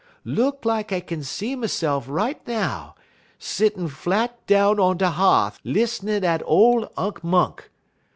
Look like I kin see myse'f right now, settin' flat down on de h'ath lis'nin' at ole Unk Monk.